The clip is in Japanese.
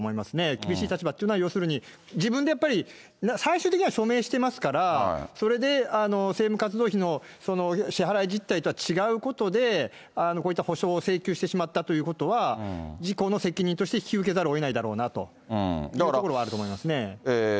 厳しい立場っていうのは要するに、自分でやっぱり最終的には署名していますから、それで政務活動費の支払い実態とは違うことで、こういった補償を請求してしまったということは、自己の責任として引き受けざるをえないだろうなというところはあると思いますね。